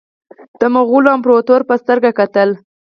د مغولو امپراطور په سترګه کتل.